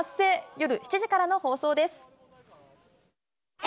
夜７時からの放送です。